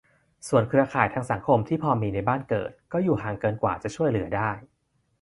ส่วนเครือข่ายทางสังคมที่พอมีในบ้านเกิด ก็อยู่ห่างเกินกว่าจะช่วยเหลือได้